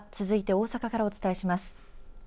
続いて大阪からお伝えします。